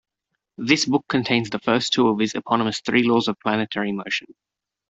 This book contains the first two of his eponymous three laws of planetary motion.